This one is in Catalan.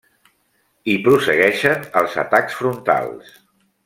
I prossegueixen els atacs frontals.